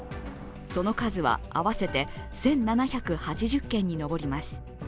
その数は合わせて１７８０件に上ります。